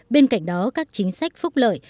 bên cạnh đó các chính sách phúc lợi